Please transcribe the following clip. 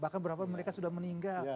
bahkan berapa mereka sudah meninggal